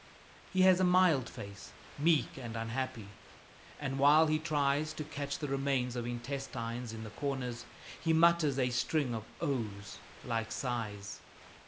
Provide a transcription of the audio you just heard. He has a mild face, meek and unhappy, and while he tries to catch the remains of intestines in the corners, he mutters a string of "Oh's!" like sighs.